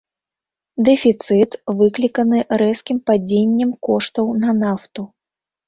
Дэфіцыт выкліканы рэзкім падзеннем коштаў на нафту.